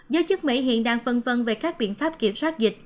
giới chức mỹ hiện đang phân vân về các biện pháp kiểm soát dịch